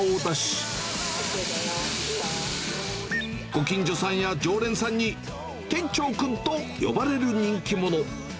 ご近所さんや常連さんに、店長クンと呼ばれる人気者。